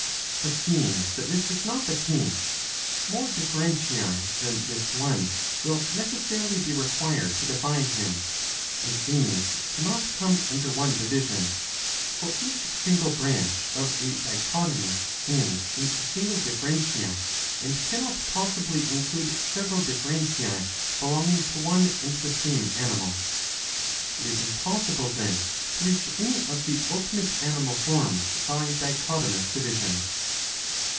But seeing that this is not the case, more differentiae than this one will necessarily be required to define him ; and these cannot come under one division ; for each single branch of a dichotomy ends in a single differentia, and cannot possibly include several differentiae belonging to one and the same animal. It is impossible then to reach any of the ultimate animal forms by dichotomous division.